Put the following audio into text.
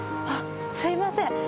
あっすいません。